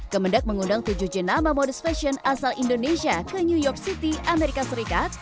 kemendak mengundang tujuh jenama modus fashion asal indonesia ke new york city amerika serikat